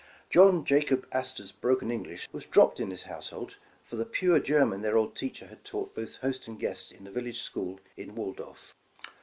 John Jacob Astor 's broken English was dropped in this household, for the pure German their old teacher had taught both host and guest in the village school in Waldorf.